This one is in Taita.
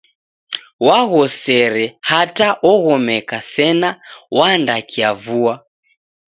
Waghosere hata oghomeka sena wandakiavua.